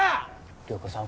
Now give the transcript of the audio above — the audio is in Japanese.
涼子さん